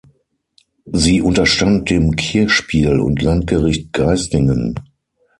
Sie unterstand dem Kirchspiel und Landgericht Geistingen.